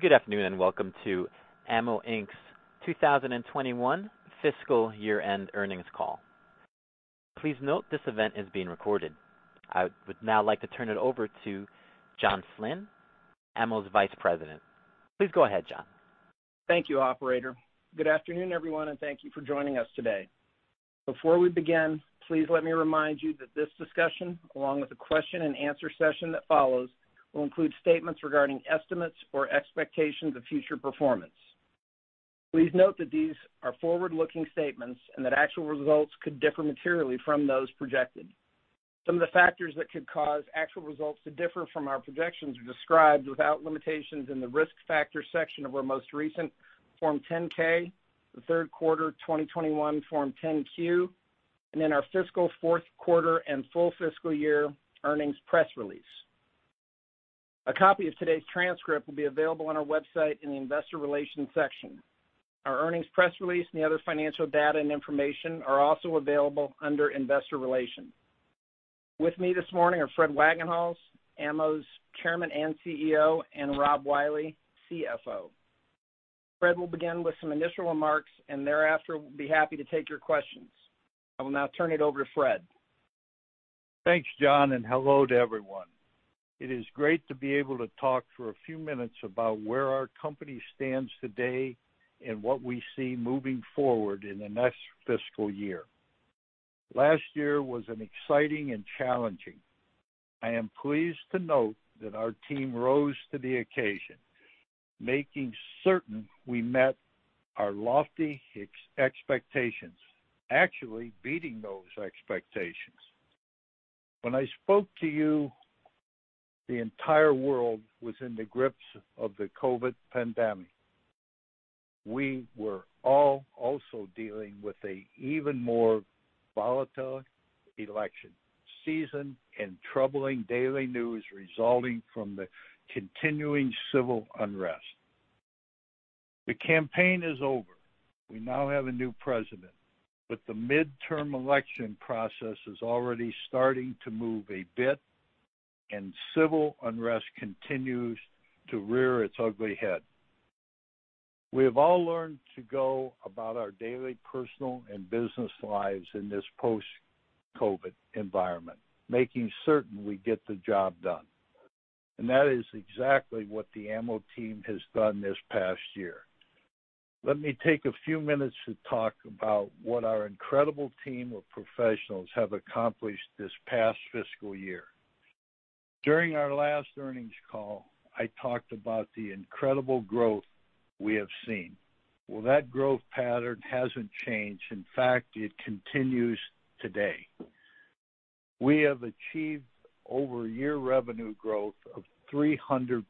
Good afternoon, and welcome to AMMO, Inc.'s 2021 fiscal year-end earnings call. Please note this event is being recorded. I would now like to turn it over to John Flynn, AMMO's vice president. Please go ahead, John. Thank you, operator. Good afternoon, everyone, and thank you for joining us today. Before we begin, please let me remind you that this discussion, along with the question-and-answer session that follows, will include statements regarding estimates or expectations of future performance. Please note that these are forward-looking statements and that actual results could differ materially from those projected. Some of the factors that could cause actual results to differ from our projections are described without limitations in the Risk Factors section of our most recent Form 10-K, the third quarter 2021 Form 10-Q, and in our fiscal fourth quarter and full fiscal year earnings press release. A copy of today's transcript will be available on our website in the investor relations section. Our earnings press release and the other financial data and information are also available under investor relations. With me this morning are Fred Wagenhals, AMMO's Chairman and CEO, and Rob Wiley, CFO. Fred will begin with some initial remarks, and thereafter, we'll be happy to take your questions. I will now turn it over to Fred. Thanks, John, and hello to everyone. It is great to be able to talk for a few minutes about where our company stands today and what we see moving forward in the next fiscal year. Last year was exciting and challenging. I am pleased to note that our team rose to the occasion, making certain we met our lofty expectations, actually beating those expectations. When I spoke to you, the entire world was in the grips of the COVID pandemic. We were all also dealing with an even more volatile election season and troubling daily news resulting from the continuing civil unrest. The campaign is over. We now have a new president, but the midterm election process is already starting to move a bit, and civil unrest continues to rear its ugly head. We have all learned to go about our daily personal and business lives in this post-COVID environment, making certain we get the job done. That is exactly what the AMMO team has done this past year. Let me take a few minutes to talk about what our incredible team of professionals have accomplished this past fiscal year. During our last earnings call, I talked about the incredible growth we have seen. Well, that growth pattern hasn't changed. In fact, it continues today. We have achieved year-over-year revenue growth of 300%.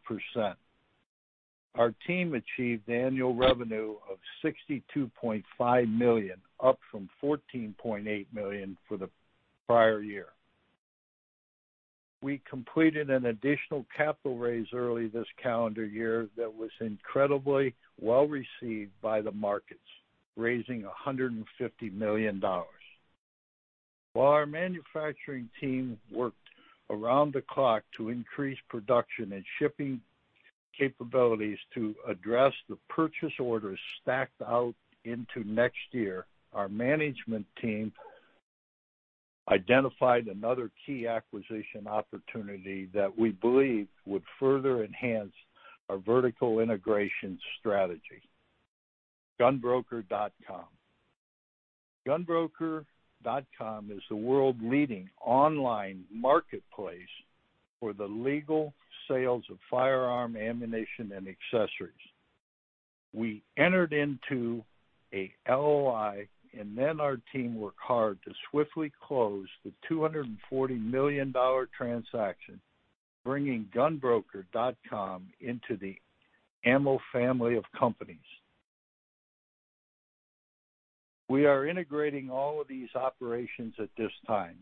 Our team achieved annual revenue of $62.5 million, up from $14.8 million for the prior year. We completed an additional capital raise early this calendar year that was incredibly well-received by the markets, raising $150 million. While our manufacturing team worked around the clock to increase production and shipping capabilities to address the purchase orders stacked out into next year, our management team identified another key acquisition opportunity that we believe would further enhance our vertical integration strategy, GunBroker.com. GunBroker.com is the world's leading online marketplace for the legal sales of firearm ammunition and accessories. We entered into an LOI, our team worked hard to swiftly close the $240 million transaction, bringing GunBroker.com into the AMMO family of companies. We are integrating all of these operations at this time.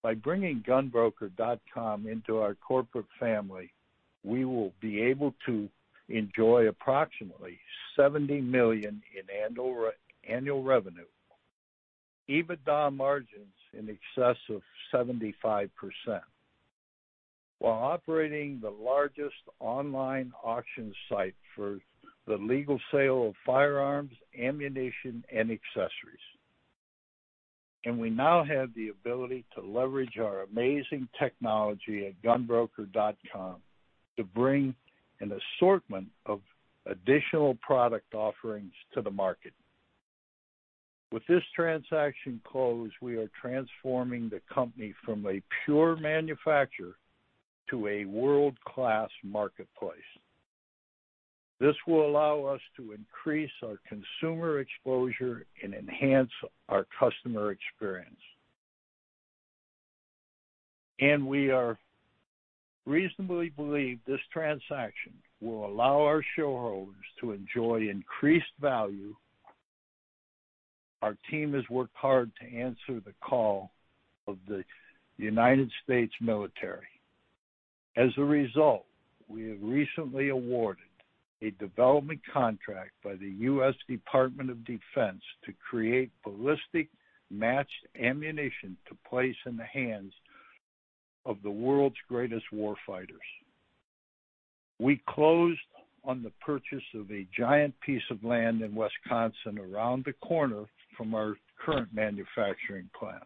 By bringing GunBroker.com into our corporate family, we will be able to enjoy approximately $70 million in annual revenue, EBITDA margins in excess of 75%, while operating the largest online auction site for the legal sale of firearms, ammunition, and accessories. We now have the ability to leverage our amazing technology at GunBroker.com to bring an assortment of additional product offerings to the market. With this transaction closed, we are transforming the company from a pure manufacturer to a world-class marketplace. This will allow us to increase our consumer exposure and enhance our customer experience. We reasonably believe this transaction will allow our shareholders to enjoy increased value. Our team has worked hard to answer the call of the United States military. As a result, we were recently awarded a development contract by the U.S. Department of Defense to create ballistic matched ammunition to place in the hands of the world's greatest war fighters. We closed on the purchase of a giant piece of land in Wisconsin around the corner from our current manufacturing plant,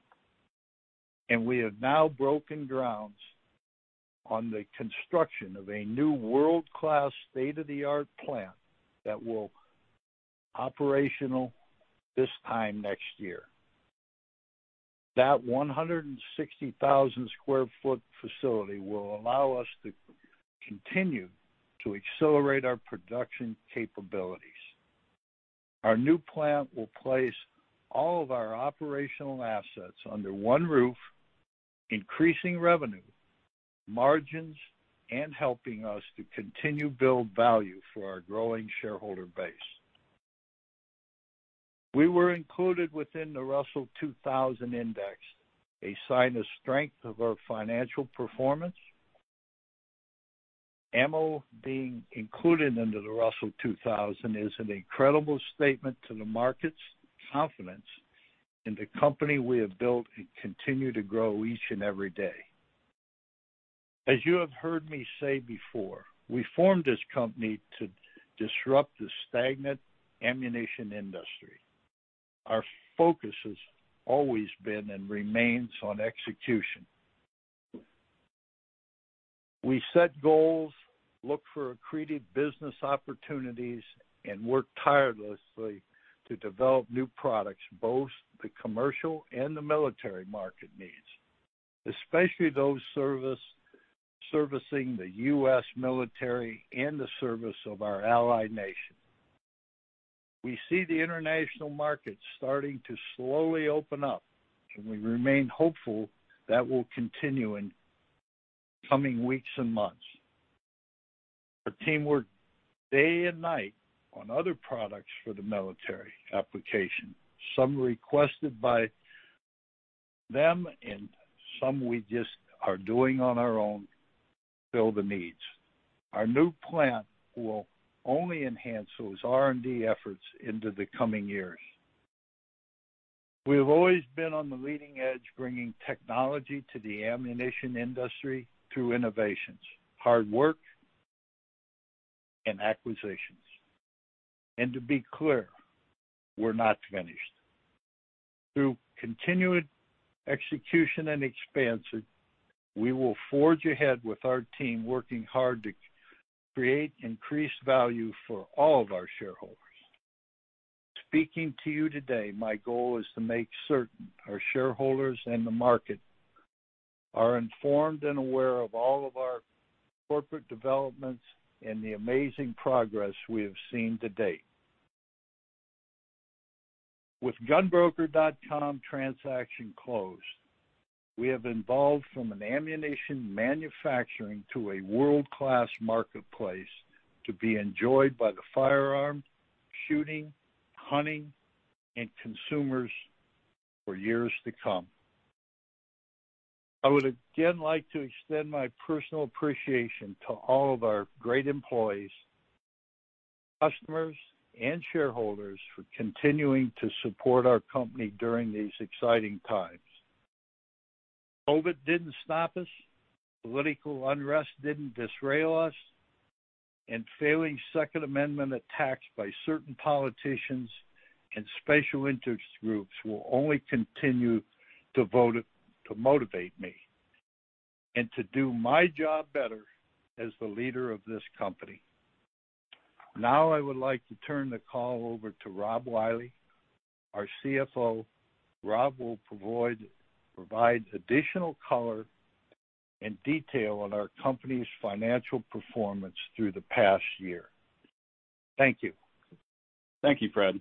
and we have now broken grounds on the construction of a new world-class, state-of-the-art plant that will operational this time next year. That 160,000 sq ft facility will allow us to continue to accelerate our production capabilities. Our new plant will place all of our operational assets under one roof, increasing revenue, margins, and helping us to continue build value for our growing shareholder base. We were included within the Russell 2000 Index, a sign of strength of our financial performance. AMMO being included into the Russell 2000 is an incredible statement to the market's confidence in the company we have built and continue to grow each and every day. As you have heard me say before, we formed this company to disrupt the stagnant ammunition industry. Our focus has always been and remains on execution. We set goals, look for accretive business opportunities, and work tirelessly to develop new products, both the commercial and the military market needs, especially those servicing the U.S. military and the service of our ally nation. We see the international market starting to slowly open up. We remain hopeful that will continue in coming weeks and months. Our teamwork day and night on other products for the military application, some requested by them and some we just are doing on our own to fill the needs. Our new plant will only enhance those R&D efforts into the coming years. We've always been on the leading edge, bringing technology to the ammunition industry through innovations, hard work, and acquisitions. To be clear, we're not finished. Through continued execution and expansion, we will forge ahead with our team working hard to create increased value for all of our shareholders. Speaking to you today, my goal is to make certain our shareholders and the market are informed and aware of all of our corporate developments and the amazing progress we have seen to date. With GunBroker.com transaction closed, we have evolved from an ammunition manufacturing to a world-class marketplace to be enjoyed by the firearm, shooting, hunting, and consumers for years to come. I would again like to extend my personal appreciation to all of our great employees, customers, and shareholders for continuing to support our company during these exciting times. COVID didn't stop us, political unrest didn't derail us, and failing Second Amendment attacks by certain politicians and special interest groups will only continue to motivate me and to do my job better as the leader of this company. I would like to turn the call over to Rob Wiley, our CFO. Rob will provide additional color and detail on our company's financial performance through the past year. Thank you. Thank you, Fred.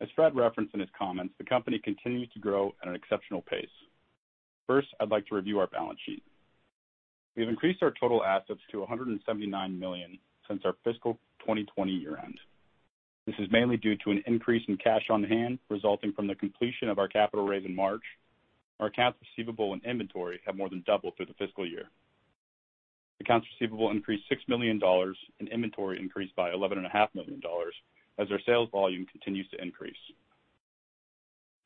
As Fred referenced in his comments, the company continues to grow at an exceptional pace. First, I'd like to review our balance sheet. We've increased our total assets to $179 million since our fiscal 2020 year-end. This is mainly due to an increase in cash on hand resulting from the completion of our capital raise in March. Our accounts receivable and inventory have more than doubled through the fiscal year. Accounts receivable increased $6 million, and inventory increased by $11.5 million as our sales volume continues to increase.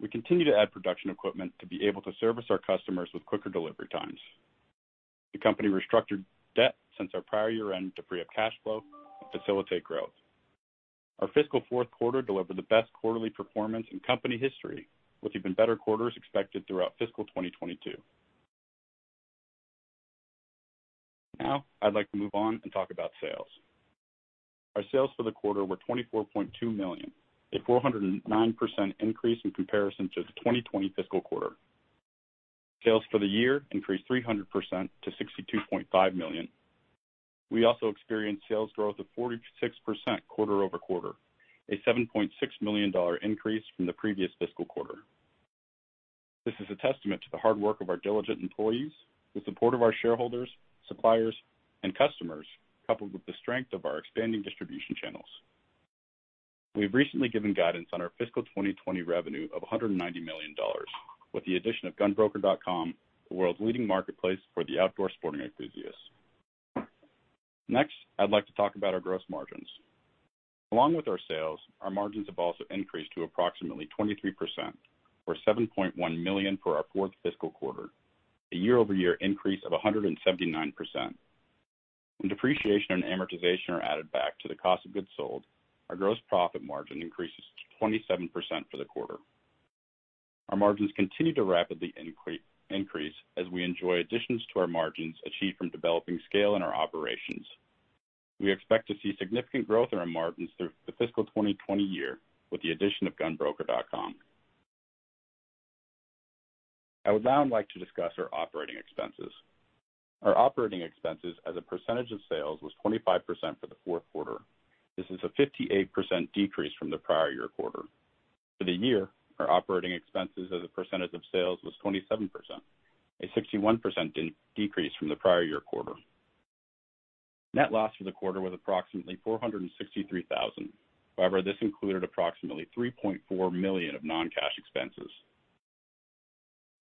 We continue to add production equipment to be able to service our customers with quicker delivery times. The company restructured debt since our prior year-end to free up cash flow to facilitate growth. Our fiscal fourth quarter delivered the best quarterly performance in company history, with even better quarters expected throughout fiscal 2022. Now, I'd like to move on and talk about sales. Our sales for the quarter were $24.2 million, a 409% increase in comparison to the 2020 fiscal quarter. Sales for the year increased 300% to $62.5 million. We also experienced sales growth of 46% quarter-over-quarter, a $7.6 million increase from the previous fiscal quarter. This is a testament to the hard work of our diligent employees with support of our shareholders, suppliers, and customers, coupled with the strength of our expanding distribution channels. We've recently given guidance on our fiscal 2020 revenue of $190 million with the addition of GunBroker.com, the world's leading marketplace for the outdoor sporting enthusiast. Next, I'd like to talk about our gross margins. Along with our sales, our margins have also increased to approximately 23%, or $7.1 million for our fourth fiscal quarter, a year-over-year increase of 179%. When depreciation and amortization are added back to the cost of goods sold, our gross profit margin increases to 27% for the quarter. Our margins continue to rapidly increase as we enjoy additions to our margins achieved from developing scale in our operations. We expect to see significant growth in our margins through the fiscal 2020 year with the addition of GunBroker.com. I would now like to discuss our operating expenses. Our operating expenses as a percentage of sales was 25% for the fourth quarter. This is a 58% decrease from the prior year quarter. For the year, our operating expenses as a percentage of sales was 27%, a 61% decrease from the prior year quarter. Net loss for the quarter was approximately $463,000. However, this included approximately $3.4 million of non-cash expenses.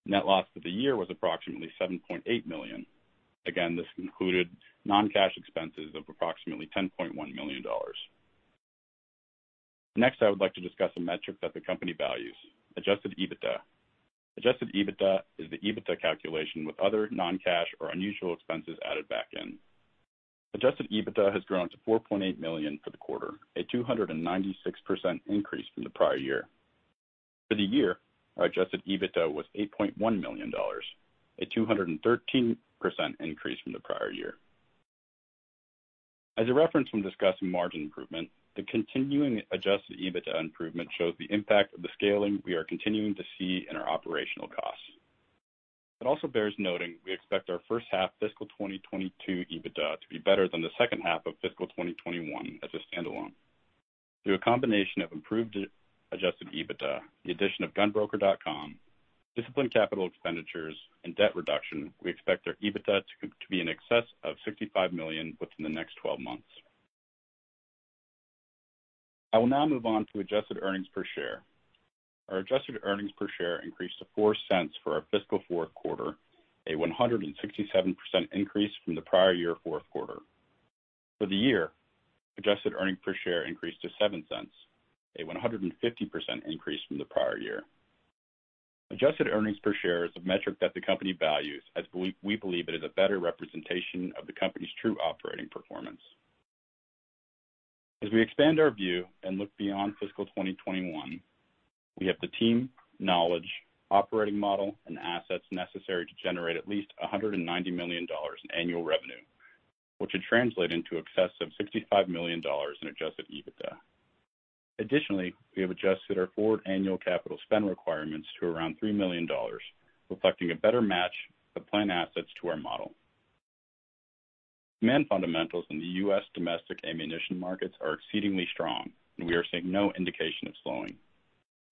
Net loss for the year was approximately $7.8 million. Again, this included non-cash expenses of approximately $10.1 million. Next, I would like to discuss a metric that the company values, adjusted EBITDA. Adjusted EBITDA is the EBITDA calculation with other non-cash or unusual expenses added back in. Adjusted EBITDA has grown to $4.8 million for the quarter, a 296% increase from the prior year. For the year, our adjusted EBITDA was $8.1 million, a 213% increase from the prior year. As a reference when discussing margin improvement, the continuing adjusted EBITDA improvement shows the impact of the scaling we are continuing to see in our operational costs. It also bears noting we expect our first half fiscal 2022 EBITDA to be better than the second half of fiscal 2021 as a standalone. Through a combination of improved adjusted EBITDA, the addition of GunBroker.com, disciplined capital expenditures, and debt reduction, we expect our EBITDA to be in excess of $65 million within the next 12 months. I will now move on to adjusted earnings per share. Our adjusted earnings per share increased to $0.04 for our fiscal fourth quarter, a 167% increase from the prior year fourth quarter. For the year, adjusted earnings per share increased to $0.07, a 150% increase from the prior year. Adjusted earnings per share is a metric that the company values as we believe it is a better representation of the company's true operating performance. As we expand our view and look beyond fiscal 2021, we have the team, knowledge, operating model, and assets necessary to generate at least $190 million in annual revenue, which would translate into excess of $65 million in adjusted EBITDA. Additionally, we have adjusted our forward annual capital spend requirements to around $3 million, reflecting a better match of plant assets to our model. Demand fundamentals in the U.S. domestic ammunition markets are exceedingly strong, and we are seeing no indication of slowing.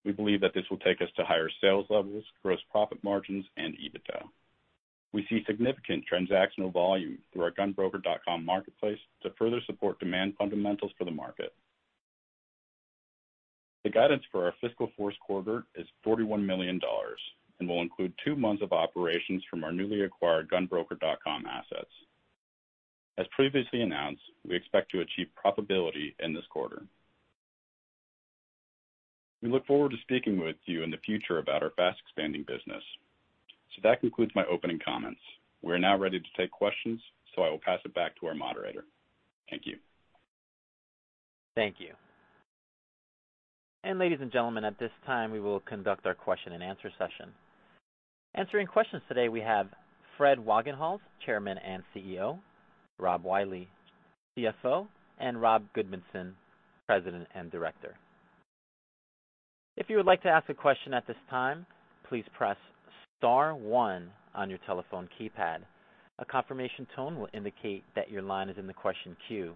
We believe that this will take us to higher sales levels, gross profit margins, and EBITDA. We see significant transactional volume through our GunBroker.com marketplace to further support demand fundamentals for the market. The guidance for our fiscal fourth quarter is $41 million and will include two months of operations from our newly acquired GunBroker.com assets. As previously announced, we expect to achieve profitability in this quarter. We look forward to speaking with you in the future about our fast-expanding business. That concludes my opening comments. We are now ready to take questions, so I will pass it back to our moderator. Thank you. Thank you. Ladies and gentlemen, at this time, we will conduct our question-and-answer session. Answering questions today, we have Fred Wagenhals, Chairman and CEO, Rob Wiley, CFO, and Rob Goodmanson, President and Director. If you would like to ask a question at this time, please press star one on your telephone keypad. A confirmation tone will indicate that your line is in the question queue.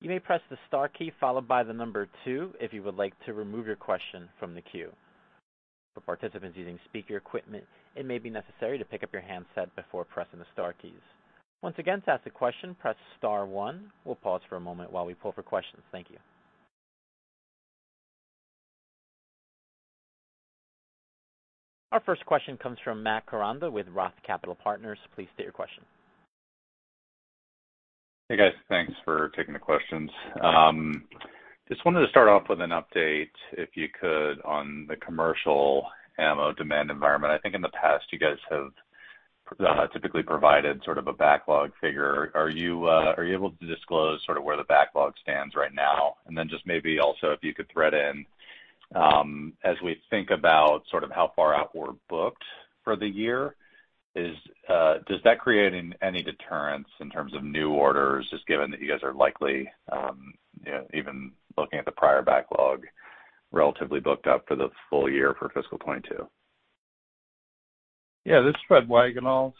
You may press the star key followed by the number two if you would like to remove your question from the queue. For participants using speaker equipment, it may be necessary to pick up your handset before pressing the star keys. Once again, to ask a question, press star one. We'll pause for a moment while we pull for questions. Thank you. Our first question comes from Matt Koranda with ROTH Capital Partners. Please state your question. Hey, guys. Thanks for taking the questions. Just wanted to start off with an update, if you could, on the commercial ammo demand environment. I think in the past, you guys have typically provided sort of a backlog figure. Are you able to disclose sort of where the backlog stands right now? Then just maybe also if you could thread in, as we think about sort of how far out we're booked for the year, does that create any deterrence in terms of new orders, just given that you guys are likely, even looking at the prior backlog, relatively booked up for the full year for fiscal 2022? Yeah, this is Fred Wagenhals.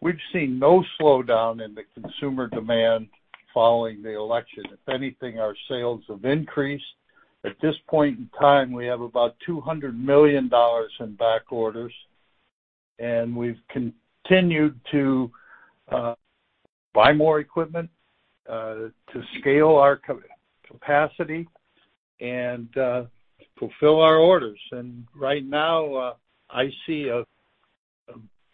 We've seen no slowdown in the consumer demand following the election. If anything, our sales have increased. At this point in time, we have about $200 million in back orders, and we've continued to buy more equipment to scale our capacity. Fulfill our orders. Right now, I see a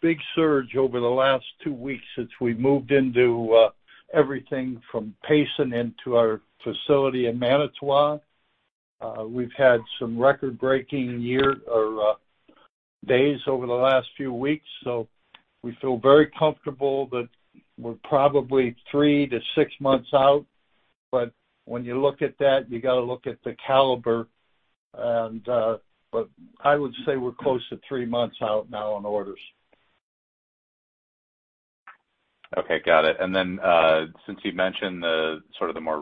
big surge over the last two weeks since we moved into everything from Payson into our facility in Manitowoc. We've had some record-breaking days over the last few weeks, we feel very comfortable that we're probably three to six months out. When you look at that, you got to look at the caliber. I would say we're close to three months out now on orders. Okay. Got it. Since you mentioned the more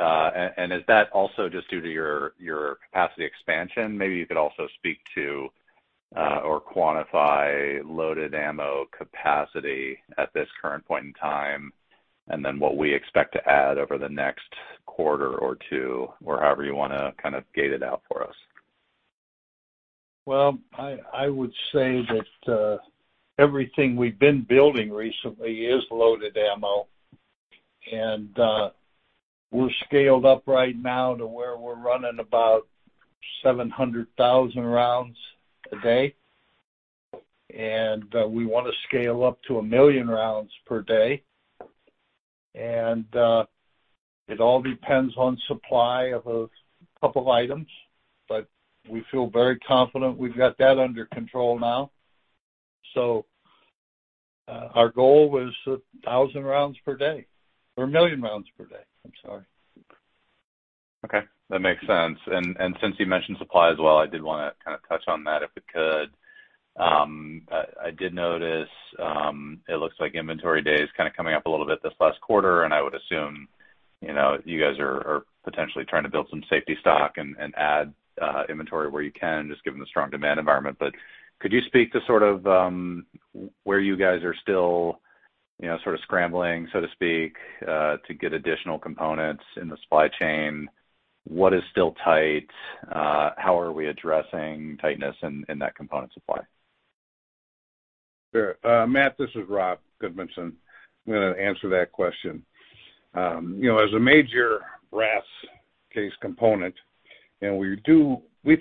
recent surge, Fred, it'd be helpful to understand where that specifically is coming from. Is that also just due to your capacity expansion? Maybe you could also speak to or quantify loaded ammo capacity at this current point in time, and then what we expect to add over the next quarter or two, or however you want to kind of gate it out for us. Well, I would say that everything we've been building recently is loaded AMMO. We're scaled up right now to where we're running about 700,000 rounds a day. We want to scale up to a million rounds per day. It all depends on supply of two items, but we feel very confident we've got that under control now. Our goal is 1,000 rounds per day or a million rounds per day. I'm sorry. Okay. Since you mentioned supplies as well, I did want to kind of touch on that if we could. I did notice it looks like inventory days kind of coming up a little bit this last quarter, and I would assume you guys are potentially trying to build some safety stock and add inventory where you can, just given the strong demand environment. Could you speak to sort of where you guys are still sort of scrambling, so to speak, to get additional components in the supply chain? What is still tight? How are we addressing tightness in that component supply? Sure. Matt, this is Rob Goodmanson. I'm going to answer that question. As a major brass case component, and we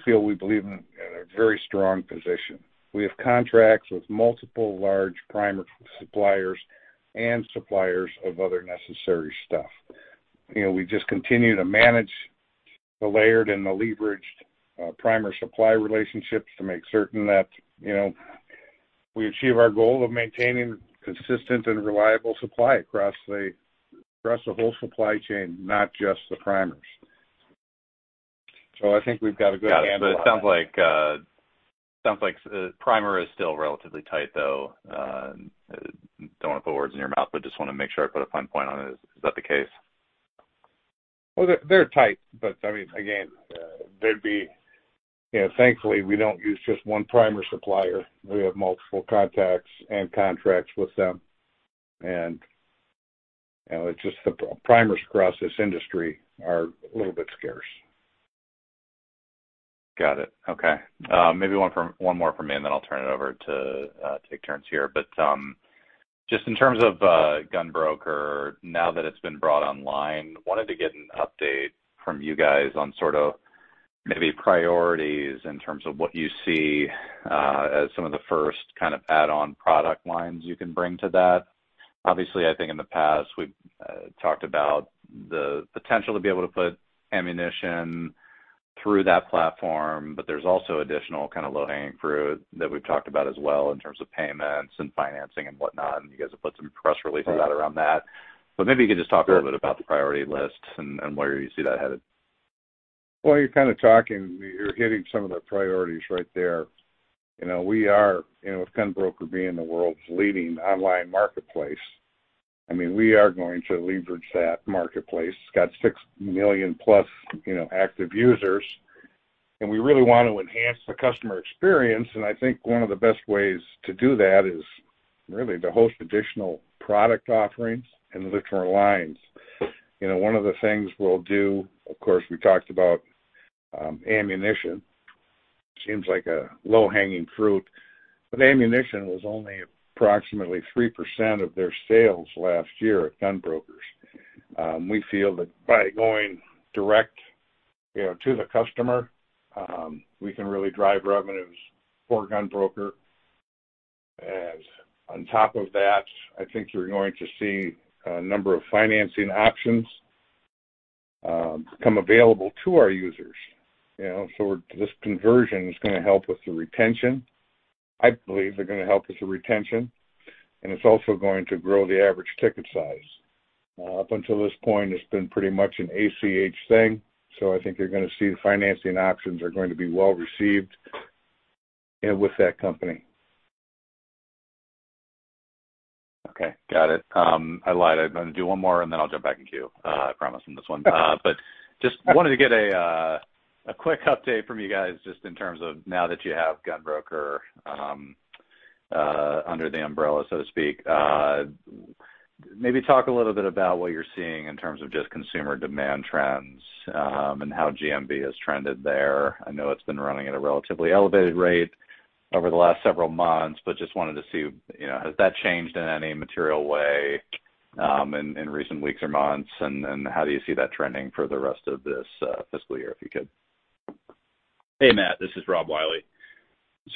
feel we believe in a very strong position. We have contracts with multiple large primer suppliers and suppliers of other necessary stuff. We just continue to manage the layered and the leveraged primer supply relationships to make certain that we achieve our goal of maintaining consistent and reliable supply across the whole supply chain, not just the primers. I think we've got a good handle on it. Got it. It sounds like primer is still relatively tight, though. Don't want to put words in your mouth, but just want to make sure I put a fine point on it. Is that the case? Well, they're tight, but again, thankfully we don't use just one primer supplier. We have multiple contacts and contracts with them, and it's just the primers across this industry are a little bit scarce. Got it. Okay. Maybe one more from me, and then I'll turn it over to Terrence here. Just in terms of GunBroker, now that it's been brought online, wanted to get an update from you guys on sort of maybe priorities in terms of what you see as some of the first kind of add-on product lines you can bring to that. Obviously, I think in the past, we've talked about the potential to be able to put ammunition through that platform, but there's also additional kind of low-hanging fruit that we've talked about as well in terms of payments and financing and whatnot, and you guys have put some press releases out around that. Maybe you could just talk a little bit about the priority list and where you see that headed. Well, you're kind of talking, you're hitting some of the priorities right there. With GunBroker being the world's leading online marketplace, we are going to leverage that marketplace. It's got six million plus active users, and we really want to enhance the customer experience. I think one of the best ways to do that is really to host additional product offerings and [add it to our] lines. One of the things we'll do, of course, we talked about ammunition. Seems like a low-hanging fruit, but ammunition was only approximately 3% of their sales last year at GunBroker. We feel that by going direct to the customer, we can really drive revenues for GunBroker. On top of that, I think you're going to see a number of financing options become available to our users. This conversion is going to help with the retention. I believe they're going to help with the retention, and it's also going to grow the average ticket size. Up until this point, it's been pretty much an ACH thing. I think you're going to see financing options are going to be well received with that company. Okay. Got it. I lied. I'm going to do one more, and then I'll jump back to you. I promise on this one. Just wanted to get a quick update from you guys just in terms of now that you have GunBroker.com under the umbrella, so to speak. Maybe talk a little bit about what you're seeing in terms of just consumer demand trends, and how GMV has trended there. I know it's been running at a relatively elevated rate over the last several months, but just wanted to see, has that changed in any material way in recent weeks or months, and then how do you see that trending for the rest of this fiscal year, if you could? Hey, Matt, this is Rob Wiley.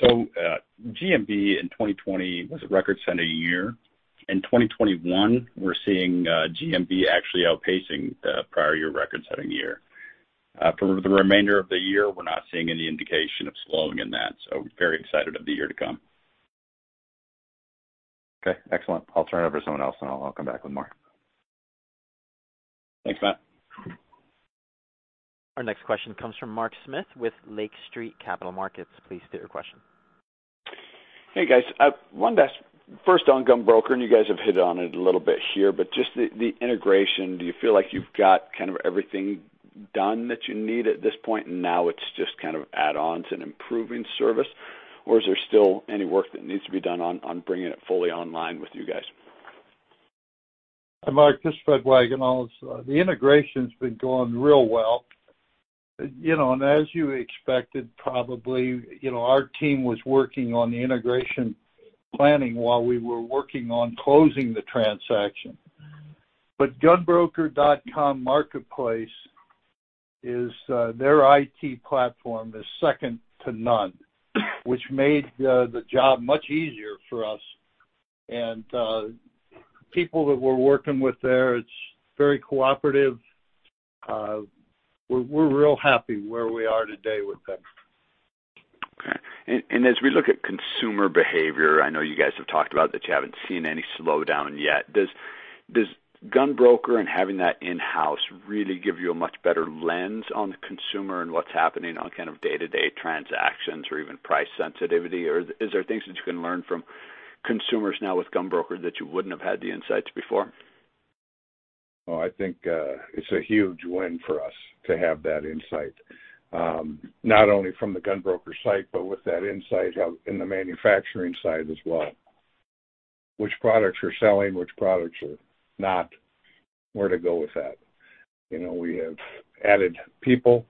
GMV in 2020 was a record-setting year. In 2021, we're seeing GMV actually outpacing the prior year record-setting year. For the remainder of the year, we're not seeing any indication of slowing in that, so very excited of the year to come. Okay, excellent. I'll turn it over to someone else, and I'll come back with more. Thanks, Matt. Our next question comes from Mark Smith with Lake Street Capital Markets. Please state your question. Hey, guys. One last, first on GunBroker, and you guys have hit on it a little bit here, but just the integration, do you feel like you've got kind of everything done that you need at this point, and now it's just kind of add-ons and improving service, or is there still any work that needs to be done on bringing it fully online with you guys? Hi, Mark, this is Fred Wagenhals. The integration's been going real well. As you expected, probably, our team was working on the integration planning while we were working on closing the transaction. GunBroker.com marketplace, their IT platform is second to none, which made the job much easier for us. The people that we're working with there, it's very cooperative. We're real happy where we are today with them. Okay. As we look at consumer behavior, I know you guys have talked about that you haven't seen any slowdown yet. Does GunBroker and having that in-house really give you a much better lens on the consumer and what's happening on kind of day-to-day transactions or even price sensitivity? Or is there things that you can learn from consumers now with GunBroker that you wouldn't have had the insights before? I think it's a huge win for us to have that insight, not only from the GunBroker site, but with that insight in the manufacturing side as well. Which products are selling, which products are not, where to go with that. We have added people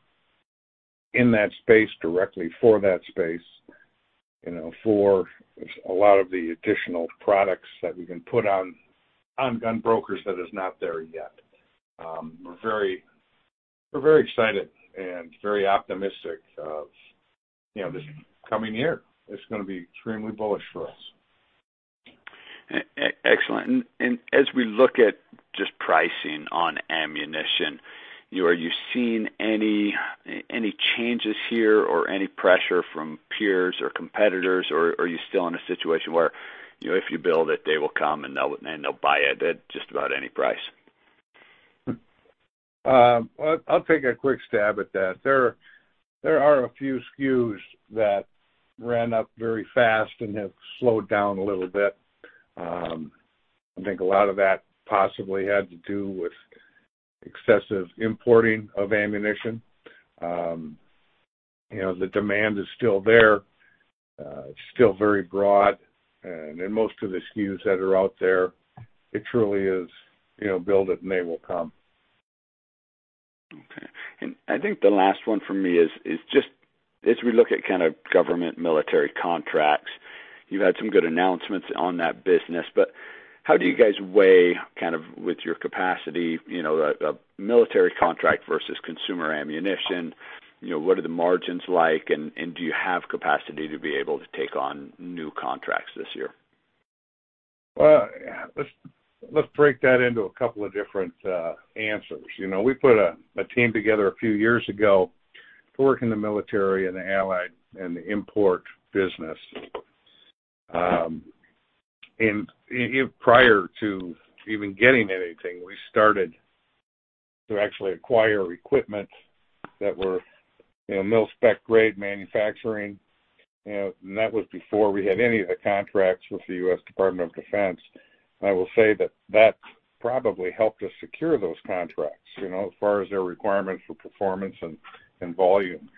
in that space directly for that space, for a lot of the additional products that we can put on GunBrokers that is not there yet. We're very excited and very optimistic of this coming year. It's going to be extremely bullish for us. Excellent. As we look at just pricing on ammunition, are you seeing any changes here or any pressure from peers or competitors, or are you still in a situation where, if you build it, they will come, and they will buy it at just about any price? I'll take a quick stab at that. There are a few SKUs that ran up very fast and have slowed down a little bit. I think a lot of that possibly had to do with excessive importing of ammunition. The demand is still there. It's still very broad, and in most of the SKUs that are out there, it truly is build it, and they will come. Okay. I think the last one for me is just as we look at kind of government military contracts, you've had some good announcements on that business, but how do you guys weigh kind of with your capacity, a military contract versus consumer ammunition? What are the margins like, and do you have capacity to be able to take on new contracts this year? Well, let's break that into a couple of different answers. We put a team together a few years ago to work in the military and the allied and the import business. Prior to even getting anything, we started to actually acquire equipment that were mil-spec grade manufacturing, and that was before we had any of the contracts with the US Department of Defense. I will say that that probably helped us secure those contracts, as far as their requirements for performance and volume.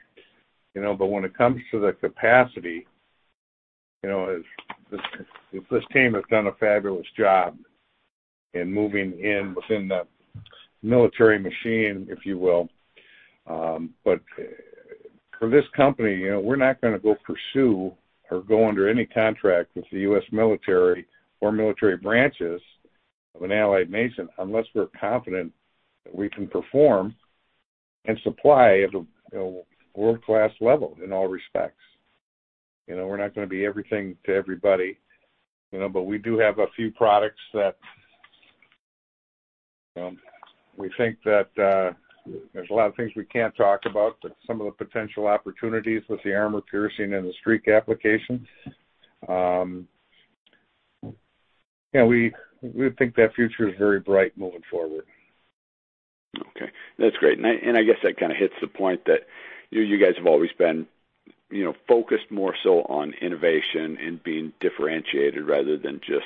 When it comes to the capacity, this team has done a fabulous job in moving in within the military machine, if you will. For this company, we're not going to go pursue or go under any contract with the U.S. military or military branches of an allied nation unless we're confident that we can perform and supply at a world-class level in all respects. We're not going to be everything to everybody. We do have a few products that we think that there's a lot of things we can't talk about, but some of the potential opportunities with the armor-piercing and the STREAK application. We think that future is very bright moving forward. Okay. That's great. I guess that kind of hits the point that you guys have always been focused more so on innovation and being differentiated rather than just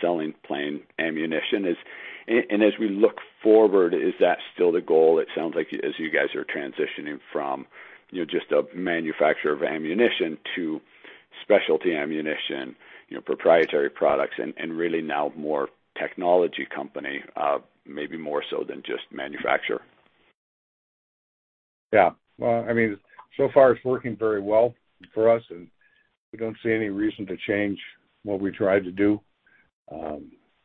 selling plain ammunition. As we look forward, is that still the goal? It sounds like as you guys are transitioning from just a manufacturer of ammunition to specialty ammunition, proprietary products, and really now more technology company maybe more so than just manufacturer. Yeah. Well, so far it's working very well for us, and we don't see any reason to change what we try to do.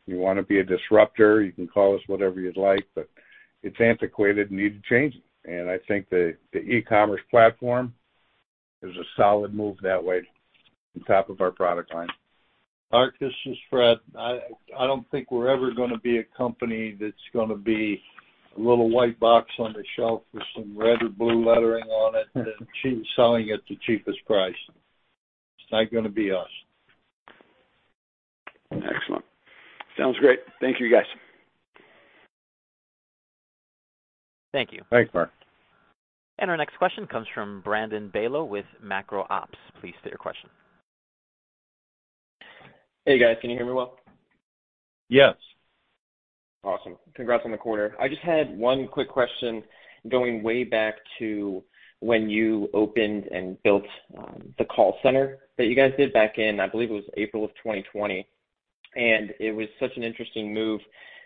We want to be a disruptor. You can call us whatever you'd like, but it's antiquated and needed changing. I think the e-commerce platform is a solid move that way on top of our product line. Mark, this is Fred. I don't think we're ever going to be a company that's going to be a little white box on the shelf with some red or blue lettering on it and selling at the cheapest price. It's not going to be us. Excellent. Sounds great. Thank you, guys. Thank you. Thanks, Mark. Our next question comes from Brandon Beylo with Macro Ops. Please state your question. Hey, guys. Can you hear me well? Yes. Awesome. Congrats on the quarter. I just had one quick question going way back to when you opened and built the call center that you guys did back in, I believe it was April of 2020, and it was such an interesting move.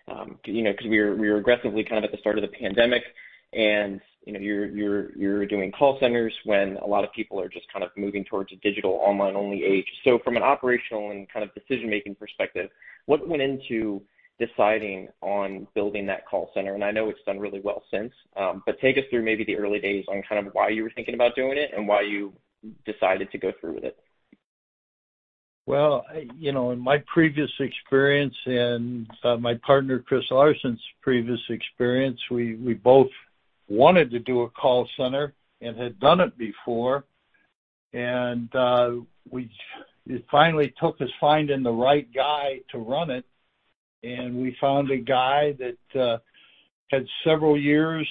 Because we were aggressively caught at the start of the pandemic, and you're doing call centers when a lot of people are just moving towards a digital online-only age. From an operational and decision-making perspective, what went into deciding on building that call center? I know it's done really well since. Take us through maybe the early days on why you were thinking about doing it and why you decided to go through with it. Well, in my previous experience and my partner Chris [Larson's] previous experience, we both wanted to do a call center and had done it before. It finally took us finding the right guy to run it, and we found a guy that had several years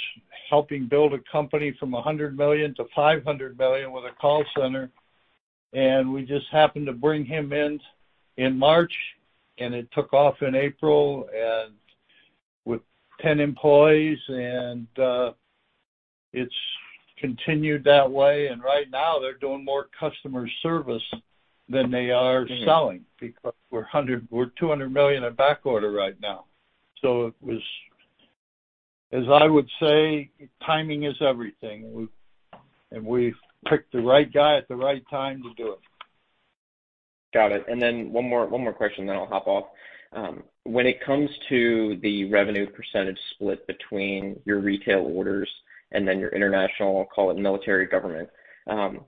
helping build a company from $100 million to $500 million with a call center. We just happened to bring him in in March, and it took off in April and with 10 employees, and it's continued that way. Right now they're doing more customer service than they are selling because we're $200 million in back order right now. As I would say, timing is everything, and we picked the right guy at the right time to do it. Got it. One more question, then I'll hop off. When it comes to the revenue percentage split between your retail orders and then your international, I'll call it military government.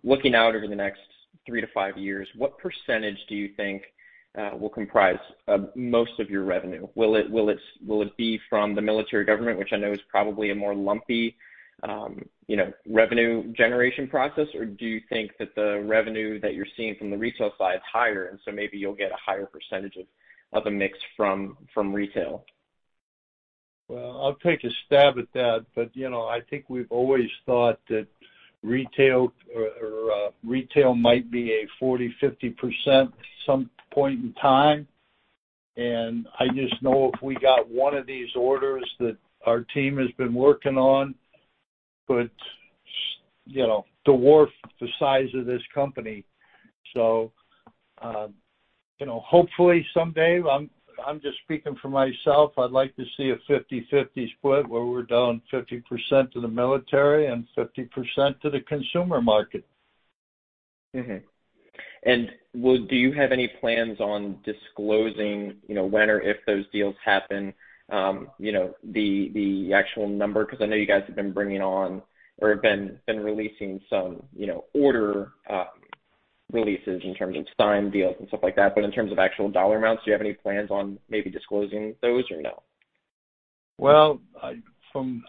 Looking out over the next three to five years, what percentage do you think will comprise most of your revenue? Will it be from the military government, which I know is probably a more lumpy revenue generation process, or do you think that the revenue that you're seeing from the retail side is higher, so maybe you'll get a higher percentage of the mix from retail? I'll take a stab at that. I think we've always thought that retail might be a 40%, 50% at some point in time. I just know if we got one of these orders that our team has been working on could dwarf the size of this company. Hopefully someday, I'm just speaking for myself, I'd like to see a 50/50 split where we're doing 50% to the military and 50% to the consumer market. Mm-hmm. Do you have any plans on disclosing when or if those deals happen the actual number? Because I know you guys have been bringing on or have been releasing some order releases in terms of signed deals and stuff like that. But in terms of actual dollar amounts, do you have any plans on maybe disclosing those or no? Well, from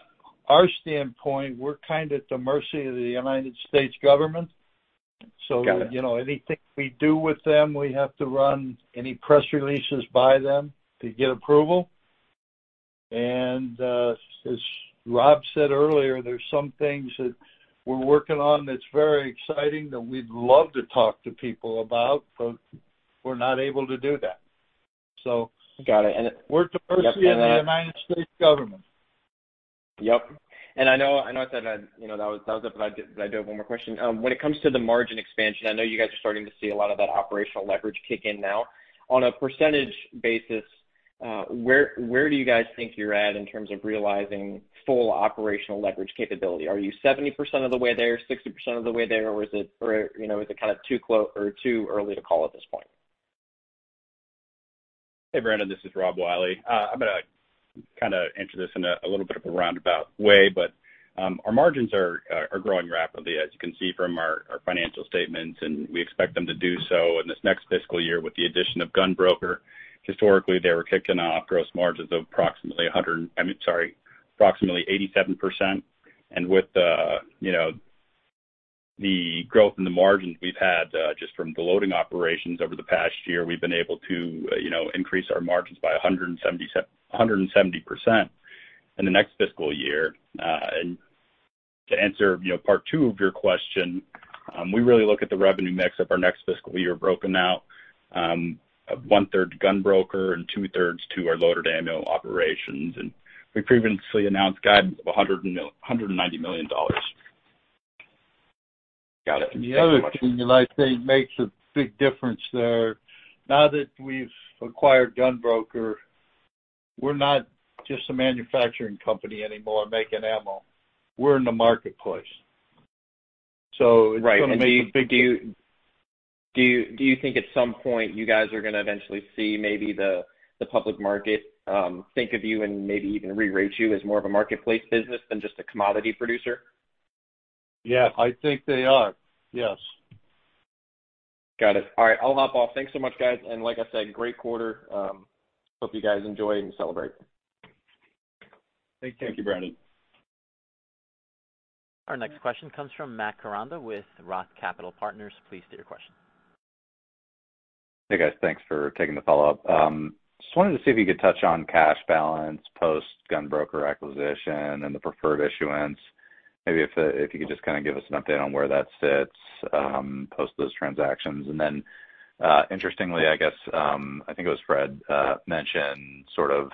our standpoint, we're kind of at the mercy of the United States government. Got it. Anything we do with them, we have to run any press releases by them to get approval. As Rob said earlier, there's some things that we're working on that's very exciting that we'd love to talk to people about, but we're not able to do that. Got it. We're at the mercy of the United States government. Yep. I know that I dove one more question. When it comes to the margin expansion, I know you guys are starting to see a lot of that operational leverage kick in now. On a percentage basis, where do you guys think you're at in terms of realizing full operational leverage capability? Are you 70% of the way there, 60% of the way there, or is it too early to call at this point? Hey, Brandon, this is Rob Wiley. I'm going to kind of answer this in a little bit of a roundabout way, but our margins are growing rapidly, as you can see from our financial statements, and we expect them to do so in this next fiscal year with the addition of GunBroker. Historically, they were kicking off gross margins of approximately 100%, I mean, sorry, approximately 87%. With the growth in the margins we've had just from the loading operations over the past year, we've been able to increase our margins by 170% in the next fiscal year. To answer part two of your question, we really look at the revenue mix of our next fiscal year broken out 1/3 GunBroker and 2/3 to our loaded ammo operations. We previously announced guide of $190 million. The other thing that I think makes a big difference there, now that we've acquired GunBroker, we're not just a manufacturing company anymore making AMMO. We're in the marketplace. Right. Do you think at some point you guys are going to eventually see maybe the public market think of you and maybe even re-rate you as more of a marketplace business than just a commodity producer? Yeah, I think they are. Yes. Got it. All right. I'll hop off. Thanks so much, guys. Like I said, great quarter. Hope you guys enjoy and celebrate. Thank you. Thank you, Brandon. Our next question comes from Matt Koranda with ROTH Capital Partners. Please state your question. Hey, guys. Thanks for taking the follow-up. Just wanted to see if you could touch on cash balance post GunBroker.com acquisition and the preferred issuance. Maybe if you could just kind of give us an update on where that sits post those transactions, and then interestingly, I guess, I think it was Fred mentioned sort of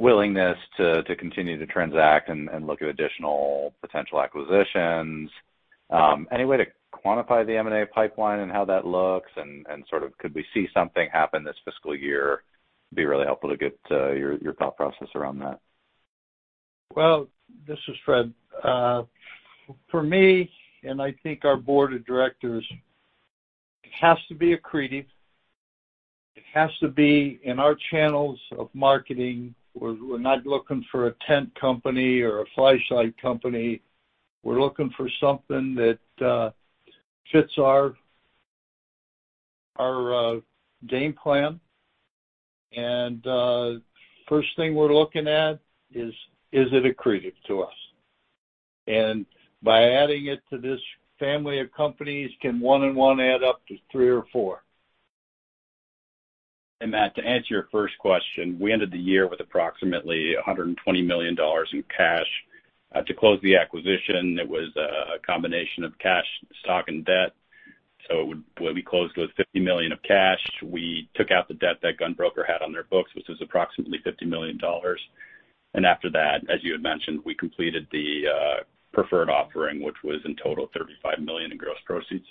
willingness to continue to transact and look at additional potential acquisitions. Any way to quantify the M&A pipeline and how that looks and sort of could we see something happen this fiscal year? It'd be really helpful to get your thought process around that. Well, this is Fred. For me, and I think our board of directors, it has to be accretive. It has to be in our channels of marketing. We're not looking for a [ten-cent] company or a fly-by-night company. We're looking for something that fits our game plan, and first thing we're looking at is it accretive to us? By adding it to this family of companies, can one and one add up to three or four? Matt, to answer your first question, we ended the year with approximately $120 million in cash. To close the acquisition, it was a combination of cash, stock, and debt. What we closed with was $50 million of cash. We took out the debt that GunBroker had on their books, which was approximately $50 million. After that, as you had mentioned, we completed the preferred offering, which was in total $35 million in gross proceeds.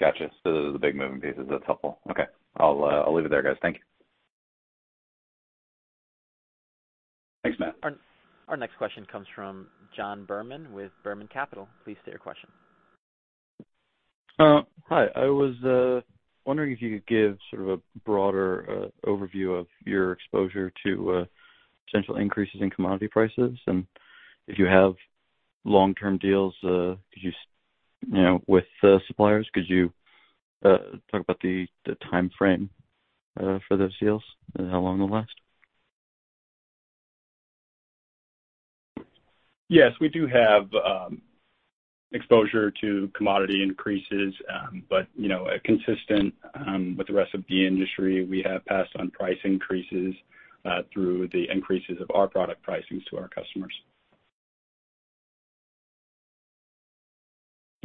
Got you. Those are the big moving pieces. That's helpful. Okay. I'll leave it there, guys. Thank you. Thanks, Matt. Our next question comes from John Berman with Berman Capital. Please state your question. Hi. I was wondering if you could give sort of a broader overview of your exposure to potential increases in commodity prices, and if you have long-term deals with suppliers. Could you talk about the timeframe for those deals and how long they'll last? Yes, we do have exposure to commodity increases, but consistent with the rest of the industry, we have passed on price increases through the increases of our product pricing to our customers.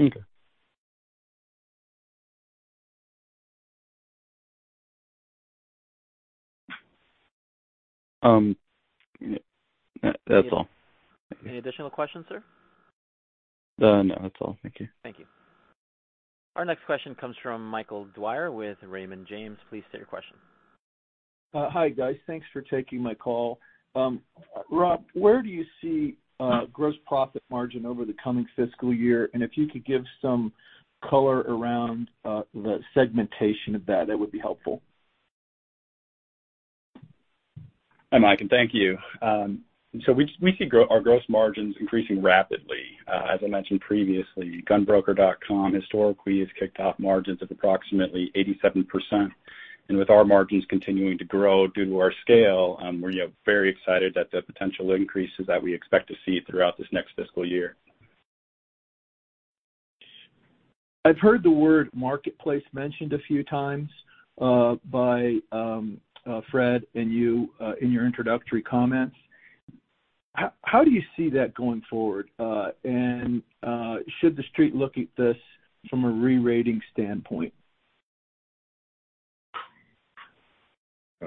Okay. That's all. Any additional questions, sir? No, that's all. Thank you. Thank you. Our next question comes from Michael Dwyer with Raymond James. Please state your question. Hi, guys. Thanks for taking my call. Rob, where do you see gross profit margin over the coming fiscal year? If you could give some color around the segmentation of that, it would be helpful. Mike, thank you. We see our gross margins increasing rapidly. As I mentioned previously, GunBroker.com historically has ticked off margins of approximately 87%. With our margins continuing to grow due to our scale, we are very excited at the potential increases that we expect to see throughout this next fiscal year. I've heard the word marketplace mentioned a few times by Fred and you in your introductory comments. How do you see that going forward? Should The Street look at this from a re-rating standpoint?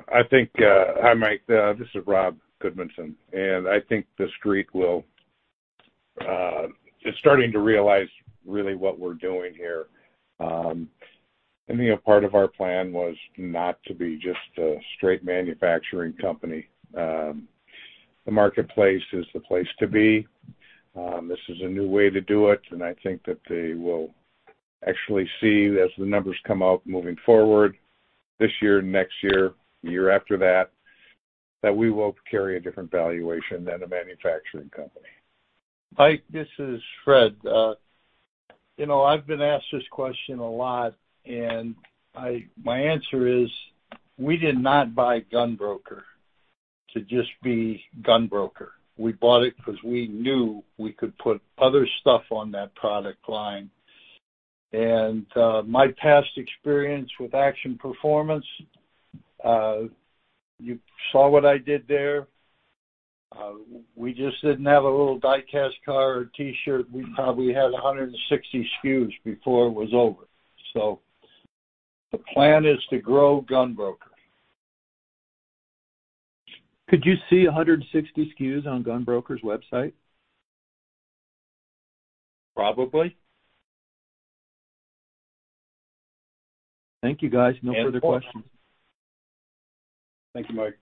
Hi, Mike. This is Rob Goodmanson. I think The Street is starting to realize really what we're doing here. I think a part of our plan was not to be just a straight manufacturing company. The marketplace is the place to be. This is a new way to do it. I think that they will actually see that the numbers come out moving forward this year and next year, the year after that we will carry a different valuation than a manufacturing company. Mike, this is Fred. I've been asked this question a lot. My answer is we did not buy GunBroker to just be GunBroker. We bought it because we knew we could put other stuff on that product line. My past experience with Action Performance, you saw what I did there. We just didn't have a little die-cast car or T-shirt. We probably had 160 SKUs before it was over. The plan is to grow GunBroker. Could you see 160 SKUs on gunbroker.com's website? Probably. Thank you, guys. No further questions. End of quarter. Thank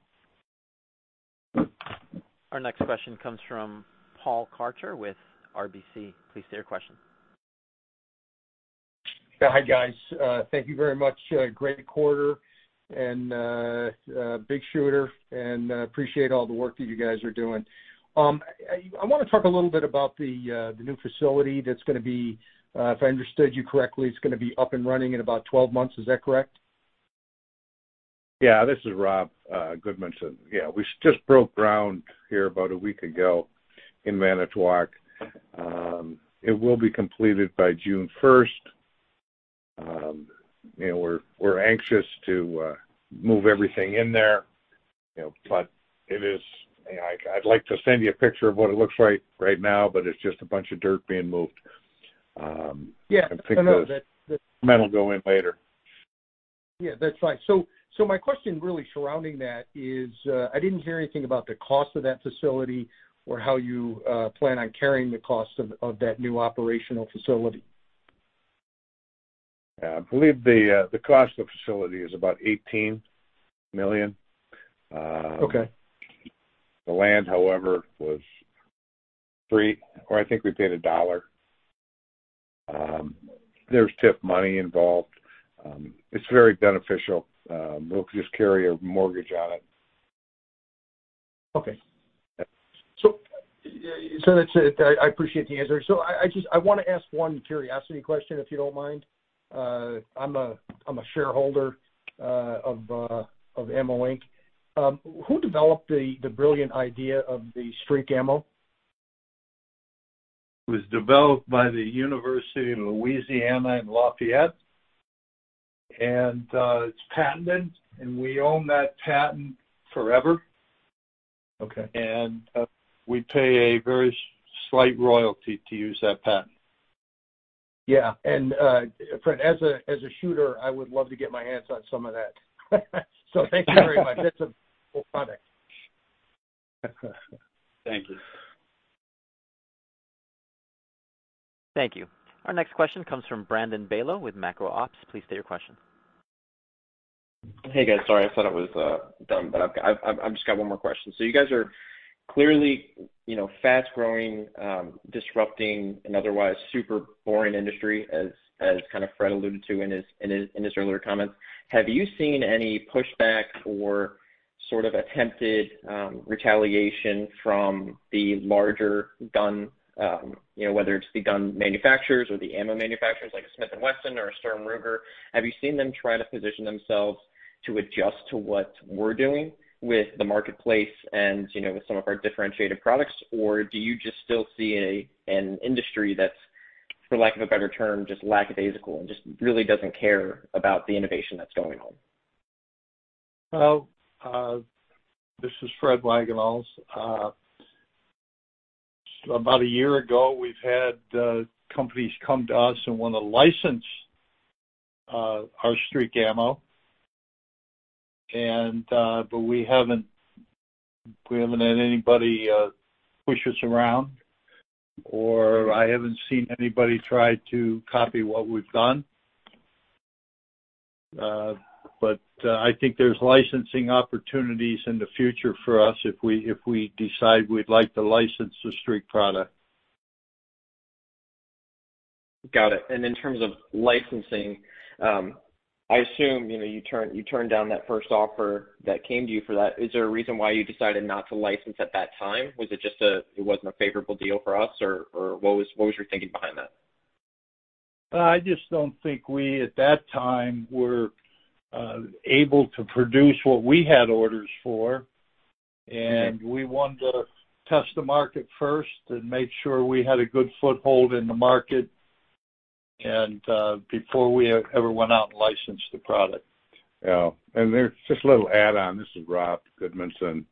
you, Mike. Our next question comes from Paul Karcher with RBC. Please state your question. Hi, guys. Thank you very much. Great quarter and big shooter, and appreciate all the work that you guys are doing. I want to talk a little bit about the new facility that's going to be, if I understood you correctly, it's going to be up and running in about 12 months. Is that correct? Yeah. This is Rob Goodmanson. Yeah, we just broke ground here about a week ago in Manitowoc. It will be completed by June 1st. We're anxious to move everything in there. I'd like to send you a picture of what it looks like right now, but it's just a bunch of dirt being moved. Yeah. The metal will go in later. Yeah, that's right. My question really surrounding that is, I didn't hear anything about the cost of that facility or how you plan on carrying the cost of that new operational facility. I believe the cost of the facility is about $18 million. Okay. The land, however, was free, or I think we paid a dollar. There's TIF money involved. It's very beneficial. We'll just carry a mortgage on it. Okay. I appreciate the answer. I want to ask one curiosity question, if you don't mind. I'm a shareholder of AMMO, Inc. Who developed the brilliant idea of the STREAK ammo? It was developed by the University of Louisiana at Lafayette, and it's patented, and we own that patent forever. Okay. We pay a very slight royalty to use that patent. Yeah. Fred, as a shooter, I would love to get my hands on some of that. Thank you very much. That's a cool product. Thank you. Thank you. Our next question comes from Brandon Beylo with Macro Ops. Please state your question. Hey, guys. Sorry, I thought I was done, but I've just got one more question. You guys are clearly fast-growing, disrupting an otherwise super boring industry, as kind of Fred alluded to in his earlier comments. Have you seen any pushback or sort of attempted retaliation from the larger gun, whether it's the gun manufacturers or the ammo manufacturers like a Smith & Wesson or a Sturm Ruger? Have you seen them try to position themselves to adjust to what we're doing with the marketplace and with some of our differentiated products? Do you just still see an industry that's, for lack of a better term, just lackadaisical and just really doesn't care about the innovation that's going on? This is Fred Wagenhals. About a year ago, we've had companies come to us and want to license our STREAK ammo. We haven't had anybody push us around, or I haven't seen anybody try to copy what we've done. I think there's licensing opportunities in the future for us if we decide we'd like to license the STREAK product. Got it. In terms of licensing, I assume you turned down that first offer that came to you for that. Is there a reason why you decided not to license at that time? Was it just it wasn't a favorable deal for us, or what was your thinking behind that? I just don't think we, at that time, were able to produce what we had orders for. Okay. We wanted to test the market first and make sure we had a good foothold in the market, and before we ever went out and licensed the product. Yeah. There's just a little add-on. This is Rob Goodmanson.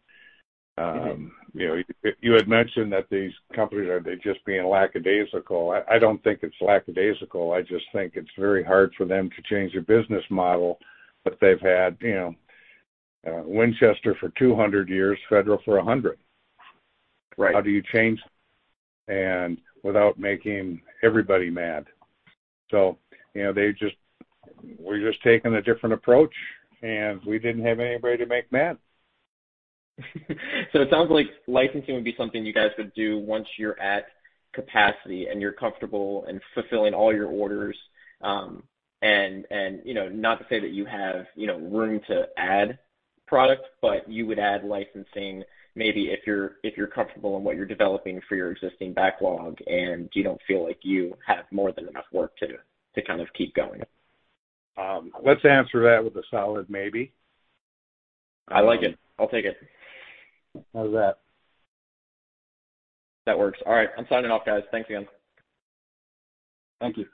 You had mentioned that these companies are just being lackadaisical. I don't think it's lackadaisical. I just think it's very hard for them to change their business model. They've had Winchester for 200 years, Federal for 100. Right. How do you change without making everybody mad? We're just taking a different approach, and we didn't have anybody to make mad. It sounds like licensing would be something you guys would do once you're at capacity and you're comfortable in fulfilling all your orders. Not to say that you have room to add product, but you would add licensing maybe if you're comfortable in what you're developing for your existing backlog, and you don't feel like you have more than enough work to kind of keep going. Let's answer that with a solid maybe. I like it. I'll take it. How's that? That works. All right, I'm signing off, guys. Thanks again. Thank you.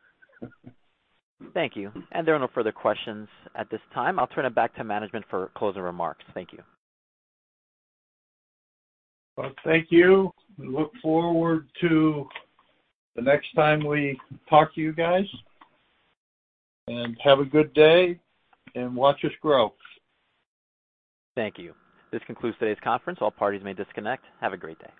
Thank you. There are no further questions at this time. I'll turn it back to management for closing remarks. Thank you. Well, thank you. Look forward to the next time we talk to you guys. Have a good day. Watch us grow. Thank you. This concludes today's conference. All parties may disconnect. Have a great day.